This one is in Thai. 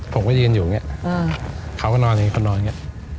ผมก็ยืนอยู่อย่างนี้เขาก็นอนอย่างนี้เขานอนอย่างนี้